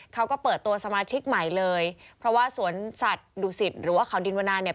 เขาก็เปิดตัวสมาชิกใหม่เลยเพราะว่าสวนสัตว์ดุสิตหรือว่าเขาดินวนาเนี่ย